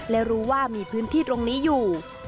และรู้ว่ามีพื้นที่ตรงนี้อยู่